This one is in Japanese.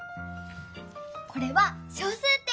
これは小数点！